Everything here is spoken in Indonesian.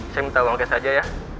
saya minta uang kes saja ya